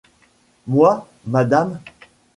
Moi, madame ?